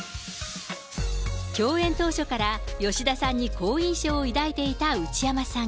共演当初から吉田さんに好印象を抱いていた内山さん。